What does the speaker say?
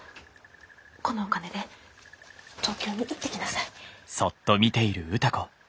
このお金で東京に行ってきなさい。